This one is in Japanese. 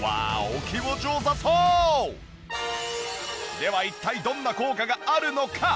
では一体どんな効果があるのか？